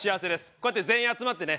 こうやって全員集まってね